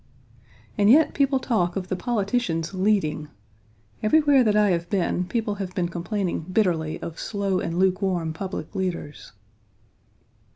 And yet people talk of the politicians leading! Everywhere that I have been people have been complaining bitterly of slow and lukewarm public leaders.